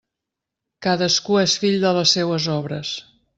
Cadascú és fill de les seues obres.